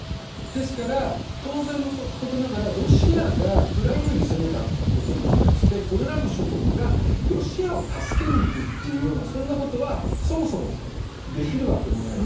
ですから、当然のことながらロシアがウクライナに攻めたことに対してこれらの諸国がロシアを助けに行くというそんなことはそもそもできるわけもない。